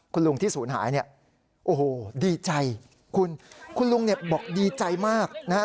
คุณลุงที่ศูนย์หายเนี่ยโอ้โหดีใจคุณคุณลุงเนี่ยบอกดีใจมากนะฮะ